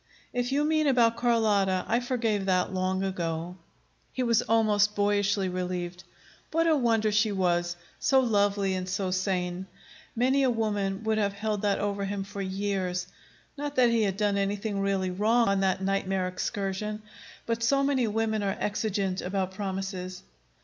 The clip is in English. "If you mean about Carlotta, I forgave that long ago." He was almost boyishly relieved. What a wonder she was! So lovely, and so sane. Many a woman would have held that over him for years not that he had done anything really wrong on that nightmare excursion. But so many women are exigent about promises.